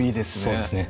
そうですね